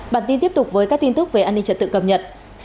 bản tin tiếp tục với các tin tức về an ninh trật tự cập nhật